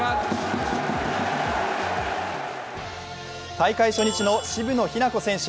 大会初日の渋野日向子選手。